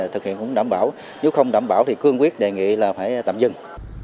thực hiện cũng đảm bảo nếu không đảm bảo thì cương quyết đề nghị là phải tạm dừng